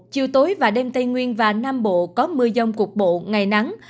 chiều tối và đêm tây nguyên và nam bộ có mưa dông cục bộ ngày nắng